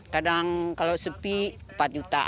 kadang kalau sepi rp empat